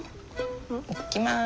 いっきます。